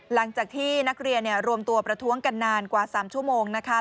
หลังจากที่นักเรียนรวมตัวประท้วงกันนานกว่า๓ชั่วโมงนะคะ